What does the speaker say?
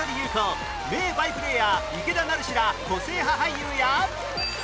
名バイプレーヤー池田成志ら個性派俳優や